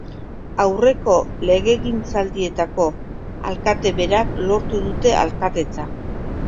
Aurreko legegintzaldietako alkate berek lortu dute alkatetza.